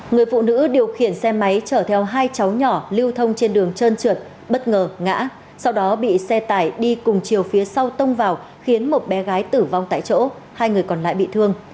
người phụ nữ điều khiển xe máy chở theo hai cháu nhỏ lưu thông trên đường trơn trượt bất ngờ ngã sau đó bị xe tải đi cùng chiều phía sau tông vào khiến một bé gái tử vong tại chỗ hai người còn lại bị thương